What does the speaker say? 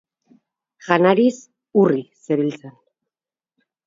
Janariz urri zebiltzan.